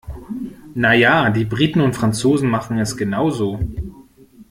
Na ja, die Briten und Franzosen machen es genau so.